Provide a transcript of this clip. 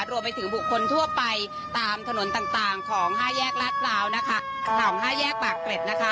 รวมไปถึงบุคคลทั่วไปตามถนนต่างของ๕แยกปากเกร็ด